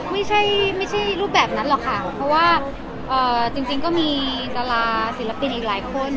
ไม่ใช่รูปแบบนั้นหรอกค่ะเพราะว่าจริงก็มีดาราศิลปินอีกหลายคน